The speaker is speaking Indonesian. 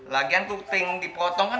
lagian tuh cik dipotong kan